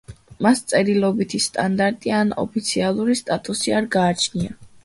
მას წერილობითი სტანდარტი ან ოფიციალური სტატუსი არ გააჩნია.